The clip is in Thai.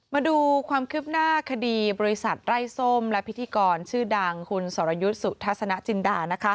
มาดูความคืบหน้าคดีบริษัทไร้ส้มและพิธีกรชื่อดังคุณสรยุทธ์สุทัศนจินดา